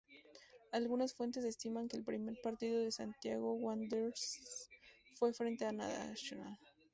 Algunas fuentes estiman que el primer partido de Santiago Wanderers fue frente a National.